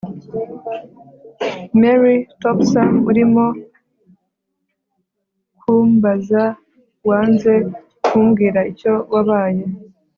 mary: topsam urimo kumbabaza wanze kumbwira icyo wabaye,